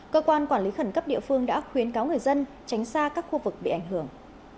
cơ quan quản lý khẩn cấp địa phương đã khuyến cáo người dân tránh xa các khu vực bị ảnh hưởng